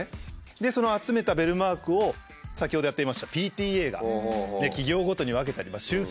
でその集めたベルマークを先ほどやっていましたＰＴＡが企業ごとに分けたり集計をします。